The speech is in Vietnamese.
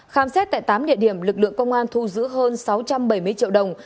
khám xét tại tám địa điểm lực lượng công an thu giữ hơn sáu trăm bảy mươi triệu đồng